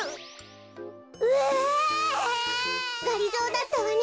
がりぞーだったわね。